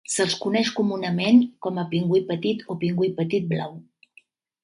Se'ls coneix comunament com a pingüí petit o pingüí petit blau.